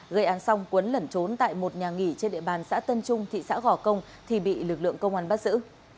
gây án xong quấn lẩn trốn tại một nhà nghỉ trên địa bàn xã tân trung thị xã gò công thì bị lực lượng công an bắt giữ